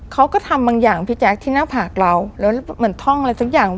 เขาก็ทำบางอย่างพี่แจ๊คที่หน้าผากเราแล้วเหมือนท่องอะไรสักอย่าง